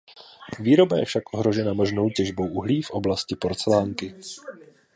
Výroba je však ohrožena možnou těžbou uhlí v oblasti porcelánky.